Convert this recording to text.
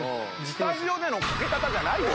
スタジオでのコケ方じゃないよ